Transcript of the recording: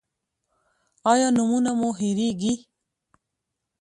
ایا نومونه مو هیریږي؟